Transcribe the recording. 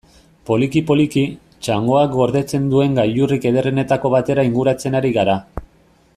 Poliki-poliki, txangoak gordetzen duen gailurrik ederrenetako batera inguratzen ari gara.